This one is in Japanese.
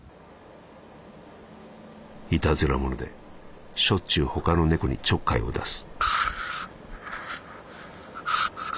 「いたずら者でしょっちゅう他の猫にちょっかいを出す」。